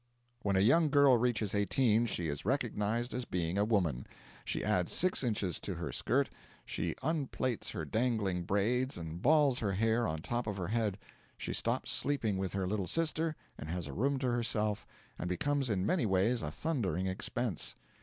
When a young girl reaches eighteen she is recognised as being a woman. She adds six inches to her skirt, she unplaits her dangling braids and balls her hair on top of her head, she stops sleeping with her little sister and has a room to herself, and becomes in many ways a thundering expense.